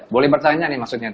boleh bertanya nih maksudnya